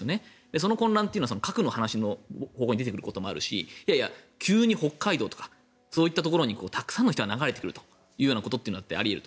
その混乱というのは核の方向に出てくる可能性もあるしいやいや、急に北海道とかそういったところにたくさんの人が流れてくることだってあり得ると。